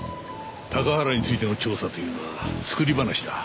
高原についての調査というのは作り話だ。